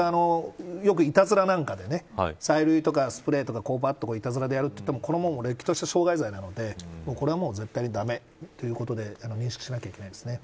よく、いたずらなんかで催涙とかスプレーとかいたずらでやるといってもこれはれっきとした傷害罪なのでこれは絶対に駄目ということで認識しないといけないですね。